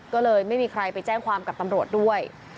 ก็เลยไม่มีใครไปแจ้งความกับตำรวจด้วย